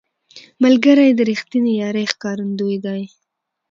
ملګری د رښتینې یارۍ ښکارندوی دی